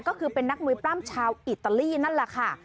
ก็คือเป็นนักมวยปล้ำชาวอิตาลีนั่นแหละค่ะ